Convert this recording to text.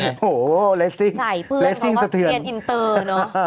าโหเลสซิ่งเสลือน